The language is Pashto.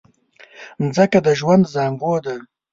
مځکه د ژوند زانګو ده.